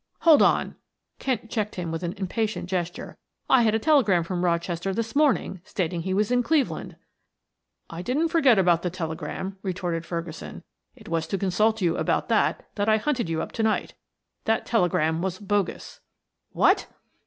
"Hold on," Kent checked him with an impatient gesture. "I had a telegram from Rochester this morning, stating he was in Cleveland." "I didn't forget about the telegram," retorted Ferguson. "It was to consult you about that, that I hunted you up to night. That telegram was bogus." "What!"